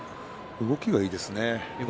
動きがいいですね。